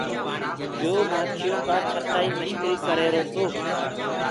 يو مآکيو ڪآ ڇتآ ڪي مسڪري ڪر رهيرو تو۔